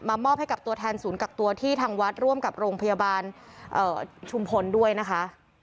มอบให้กับตัวแทนศูนย์กักตัวที่ทางวัดร่วมกับโรงพยาบาลชุมพลด้วยนะคะ